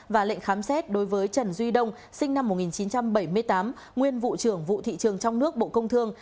và lệnh khám xét đối với trần duy đông sinh năm một nghìn chín trăm bảy mươi tám nguyên vụ trưởng vụ thị trường trong nước bộ công thương